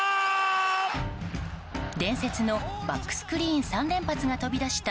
伝説のバックスクリーン３連発が飛び出した